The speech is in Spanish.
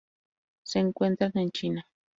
Se encuentran en China.